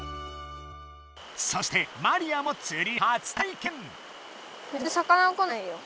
そしてマリアもつり初体験。